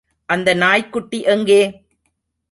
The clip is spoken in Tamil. அந்த நாய்க்குட்டி எங்கே?